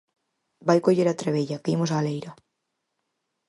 Vai coller a trebella, que imos á leira.